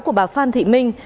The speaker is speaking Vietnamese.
của bà phan thị minh